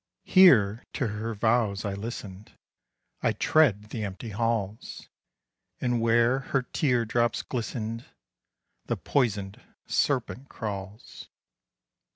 Here to her vows I listened, I tread the empty halls, And where her tear drops glistened, The poisoned serpent crawls.